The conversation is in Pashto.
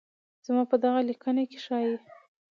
زما په دغه ليکنه کې ښايي